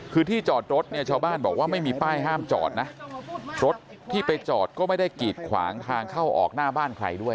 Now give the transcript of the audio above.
คือที่จอดรถเนี่ยชาวบ้านบอกว่าไม่มีป้ายห้ามจอดนะรถที่ไปจอดก็ไม่ได้กีดขวางทางเข้าออกหน้าบ้านใครด้วย